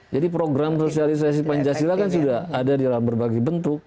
jadi program sosialisasi pancasila kan sudah ada di dalam berbagai bentuk